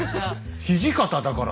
「土方だから」